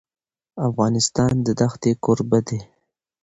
افغانستان د دښتې کوربه دی.